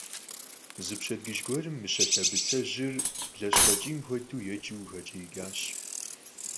Зы пщэдджыжь гуэрым Мыщэ лъэбыцэжьыр, блащхъуэ кӀийм хуэдэу еджэу къыхэкӀиикӀащ.